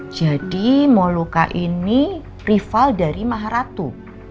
jadi mau luka ini rival dari maharatu